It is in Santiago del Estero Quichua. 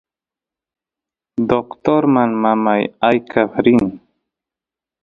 doctorman mamay aykaf rin